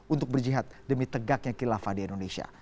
untuk berjihad demi tegaknya kilafah di indonesia